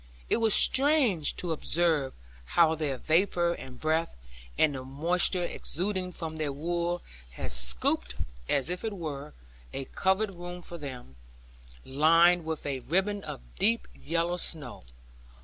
It was strange to observe how their vapour and breath, and the moisture exuding from their wool had scooped, as it were, a coved room for them, lined with a ribbing of deep yellow snow.